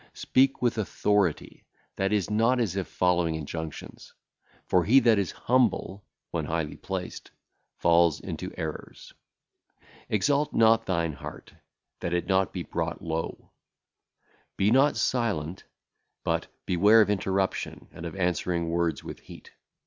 Speak with authority, that is, not as if following injunctions, for he that is humble (when highly placed) falleth into errors. Exalt not thine heart, that it be not brought low. Be not silent, but beware of interruption and of answering words with heat.